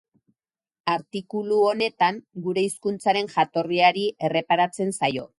Artikulu honetan, gure hizkuntzaren jatorriari erreparatzen zaio.